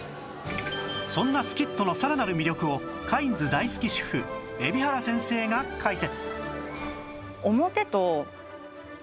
そんな Ｓｋｉｔｔｏ のさらなる魅力をカインズ大好き主婦海老原先生が解説